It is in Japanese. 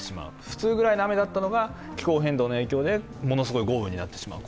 普通ぐらいの雨だったのが気候変動の影響でものすごい豪雨になってしまう